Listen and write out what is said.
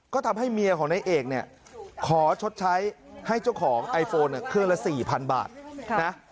ก็ทำให้เมียของนายเอกเนี่ยขอชดใช้ให้เจ้าของไอโฟนเครื่องละ๔๐๐๐บาทนะ